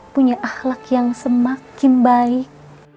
punya ahlak yang semakin baik